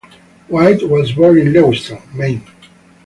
White was born in Lewiston, Maine.